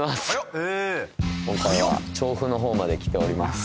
今回は調布のほうまで来ております